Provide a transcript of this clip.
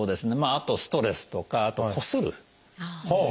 あとストレスとかあとこする。